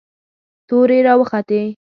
تورې را وختې.